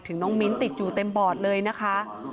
น้องมิ้นติดอยู่เต็มบอร์ดเลยนะคะ